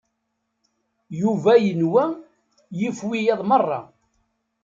Yuba yenwa yif wiyaḍ meṛṛa.